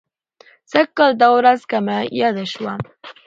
سږ کال دا ورځ کمه یاده شوه.